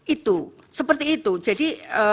itu seperti itu jadi